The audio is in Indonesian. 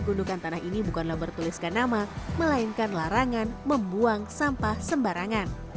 gundukan tanah ini bukanlah bertuliskan nama melainkan larangan membuang sampah sembarangan